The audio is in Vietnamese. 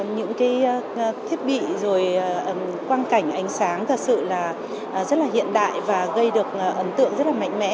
những cái thiết bị rồi quan cảnh ánh sáng thật sự là rất là hiện đại và gây được ấn tượng rất là mạnh mẽ